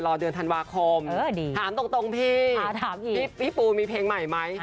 เดือนธันวาคมถามตรงพี่พี่ปูมีเพลงใหม่ไหม